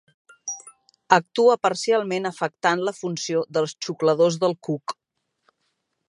Actua parcialment afectant la funció dels xucladors del cuc.